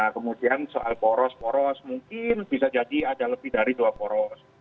kemudian soal poros poros mungkin bisa jadi ada lebih dari dua poros